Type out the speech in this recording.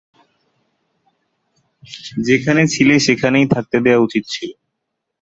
যেখানে ছিলে সেখানেই থাকতে দেওয়া উচিত ছিল।